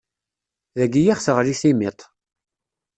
Dagi i ɣ-teɣli timiḍt.